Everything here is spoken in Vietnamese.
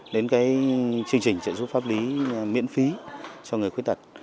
đến chương trình trợ giúp pháp lý miễn phí cho người khuyết tật